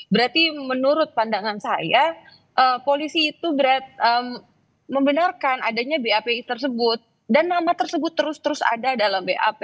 berarti menurut pandangan saya polisi itu membenarkan adanya bapi tersebut dan nama tersebut terus terus ada dalam bap